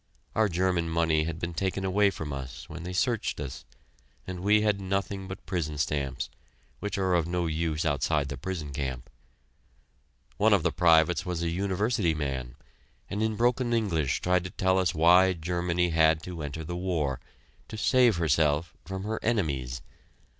Our German money had been taken away from us when they searched us, and we had nothing but prison stamps, which are of no use outside the prison camp. One of the privates was a university man, and in broken English tried to tell us why Germany had to enter the war, to save herself from her enemies.